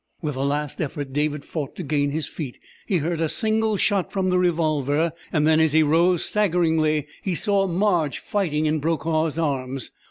With a last effort David fought to gain his feet. He heard a single shot from the revolver, and then, as he rose staggeringly, he saw Marge fighting in Brokaw's arms.